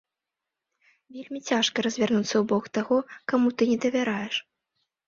Вельмі цяжка развярнуцца ў бок таго, каму ты не давяраеш.